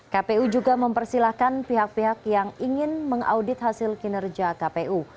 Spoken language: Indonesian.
kpu juga mempersilahkan pihak pihak yang ingin mengaudit hasil kinerja kpu